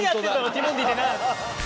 ティモンディってなる。